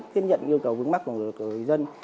tiếp nhận yêu cầu vững mắt của người dân